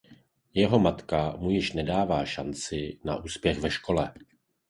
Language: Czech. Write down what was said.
Jeho matka mu již nedává šanci na úspěch ve škole.